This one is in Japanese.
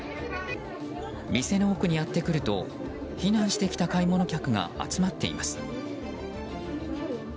店の奥にやってくると避難してきた買い物客が集まっています。